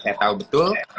saya tahu betul